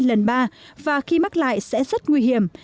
lần ba và khi mắc lại sẽ rất nguy hiểm